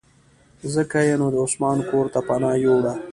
ځکه یې نو د عثمان کورته پناه یووړه.